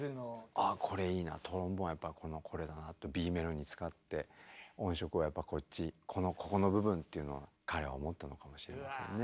「あっこれいいなトロンボーンやっぱこれだな」とＢメロに使って音色をやっぱこっちここの部分っていうのは彼は思ったのかもしれませんね。